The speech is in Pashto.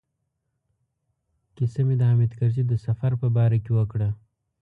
کیسه مې د حامد کرزي د سفر په باره کې وکړه.